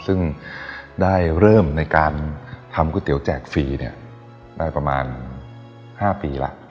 ซึ่งได้เริ่มในการทำก๋วยเตี๋ยแจกฟรีได้ประมาณ๕ปีแล้ว